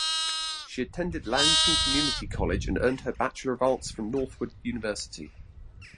She attended Lansing Community College and earned her Bachelor of Arts from Northwood University.